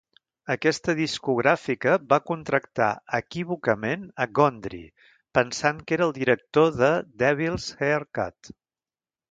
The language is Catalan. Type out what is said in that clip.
Aquesta discogràfica va contractar equívocament a Gondry, pensant que era el director de "Devils Haircut".